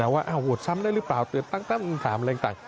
ว่าโหดซ้ำได้หรือเปล่าตั้งอะไรต่าง